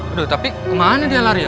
aduh tapi kemana dia lari ya